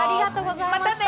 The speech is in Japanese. またね！